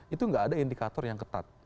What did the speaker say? itu nggak ada indikator yang ketat